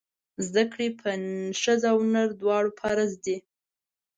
زده کړې په ښځه او نر دواړو فرض دی!